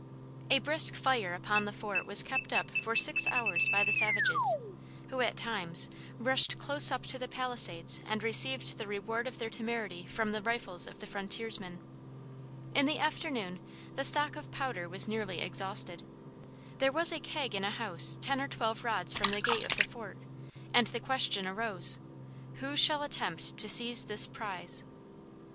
A brisk fire upon the fort was kept up for six hours by the savages, who at times rushed close up to the palisades and received the reward of their temerity from the rifles of the frontiersmen. In the afternoon the stock of powder was nearly exhausted. There was a keg in a house ten or twelve rods from the gate of the fort, and the question arose, who shall attempt to seize this prize?